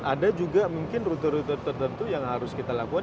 ada juga mungkin rute rute tertentu yang harus kita lakukan